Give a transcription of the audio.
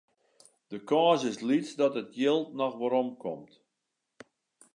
De kâns is lyts dat it jild noch werom komt.